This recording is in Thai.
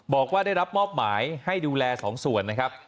บอกว่าได้รับมอบหมายให้ดูแล๒ส่วนนะครับ